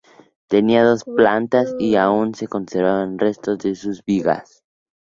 Tenía dos plantas y aún se conservan restos de sus vigas.